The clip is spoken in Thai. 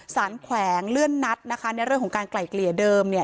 แขวงเลื่อนนัดนะคะในเรื่องของการไกล่เกลี่ยเดิมเนี่ย